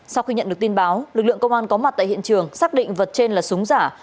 sau khi nhận được tin báo lực lượng công an có mặt tại hiện trường xác định vật trên là súng giả